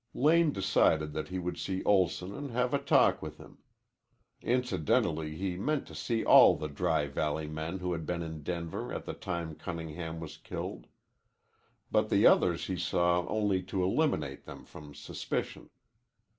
Lane decided that he would see Olson and have a talk with him. Incidentally, he meant to see all the Dry Valley men who had been in Denver at the time Cunningham was killed. But the others he saw only to eliminate them from suspicion.